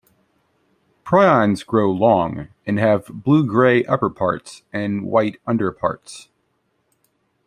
Prions grow long, and have blue-grey upper parts and white underparts.